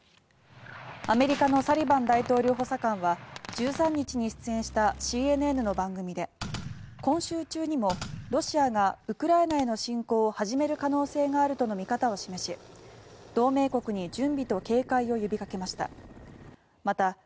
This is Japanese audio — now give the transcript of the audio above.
アメリカのサリバン大統領補佐官は１３日に出演したＣＮＮの番組で今週中にもロシアがウクライナへの侵攻を始める可能性があるとの見方を示し同盟国に準備と警戒を呼びかけました。